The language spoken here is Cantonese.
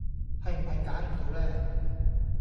係唔係揀唔到呢